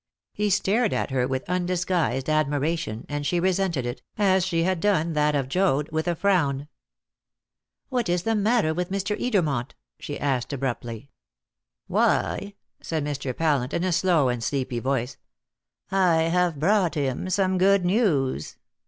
He stared at her with undisguised admiration, and she resented it, as she had done that of Joad, with a frown. "What is the matter with Mr. Edermont?" she asked abruptly. "Why," said Mr. Pallant in a slow and sleepy voice, "I have brought him some good news."